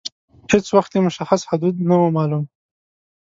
هیڅ وخت یې مشخص حدود نه وه معلوم.